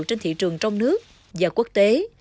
trên thị trường trong nước và quốc tế